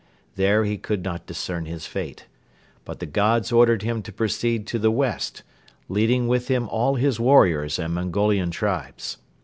There he could not discern his fate. But the gods ordered him to proceed to the west, leading with him all his warriors and Mongolian tribes.